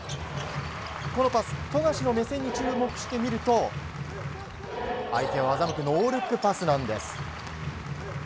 このパス富樫の目線に注目してみると相手を欺くノールックパスなんです。